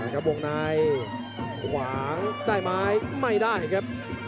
เกะบวงในห่วงได้ไหมไม่ได้ครับ